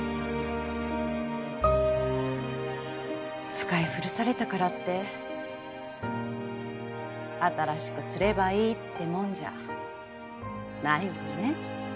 使い古されたからって新しくすればいいってもんじゃないわね。